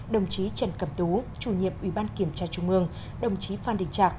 đồng chí trần cẩm tú chủ nhiệm ủy ban kiểm tra trung ương đồng chí phan đình trạc